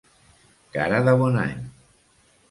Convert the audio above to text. Cara de bon any.